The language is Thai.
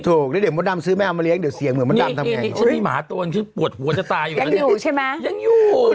เด็กของมดดำซื้อแม่เรามาเลี้ยงเดี๋ยวแสงเหมือนของมดดำต้องทำยังไง